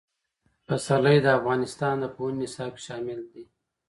پسرلی د افغانستان د پوهنې نصاب کې شامل دي.